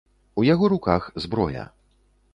У яго руках зброя.